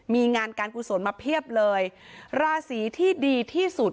มีงานการกุศลมาเพียบเลยราศีที่ดีที่สุด